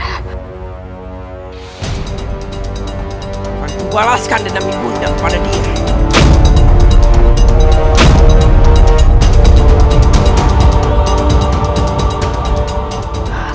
aku membalaskan dendam ibu anda kepada diri